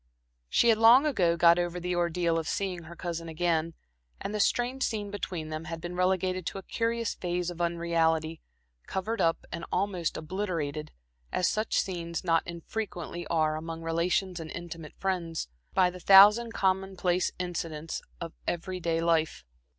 She had long ago got over the ordeal of seeing her cousin again, and the strange scene between them had been relegated to a curious phase of unreality, covered up and almost obliterated, as such scenes not infrequently are among relations and intimate friends, by the thousand commonplace incidents of every day life.